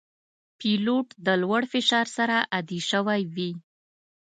پیلوټ د لوړ فشار سره عادي شوی وي.